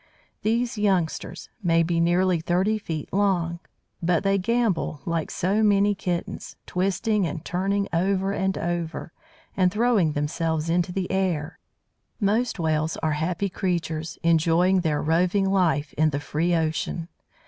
These youngsters may be nearly thirty feet long; but they gambol like so many kittens, twisting and turning over and over, and throwing themselves into the air. Most Whales are happy creatures, enjoying their roving life in the free ocean.